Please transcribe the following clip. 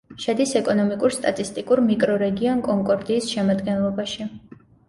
შედის ეკონომიკურ-სტატისტიკურ მიკრორეგიონ კონკორდიის შემადგენლობაში.